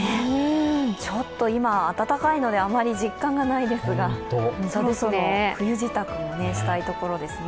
ちょっと今、暖かいのであまり実感がないですが、そろそろ冬支度もしたいところですね。